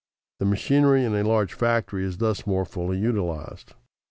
The machinery in a large factory is thus more fully utilized.